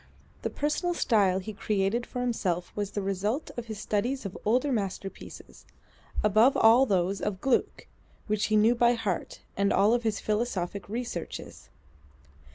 The personal style he created for himself was the result of his studies of older masterpieces, above all those of Gluck which he knew by heart, and of his philosophic researches.